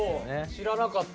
知らなかった。